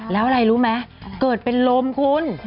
แล้วอะไรรู้ไหมเกิดเป็นลมคุณ